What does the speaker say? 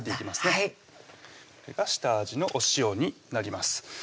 はいこれが下味のお塩になります